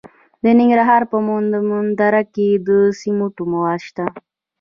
د ننګرهار په مومند دره کې د سمنټو مواد شته.